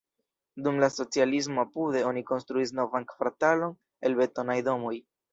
Dum la socialismo apude oni konstruis novan kvartalon el betonaj domoj.